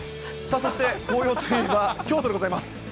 そして、紅葉といえば京都でございます。